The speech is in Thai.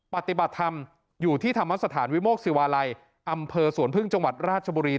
ปฏิบัติธรรมอยู่ที่ธรรมสถานวิโมกศิวาลัยอำเภอสวนพึ่งจังหวัดราชบุรี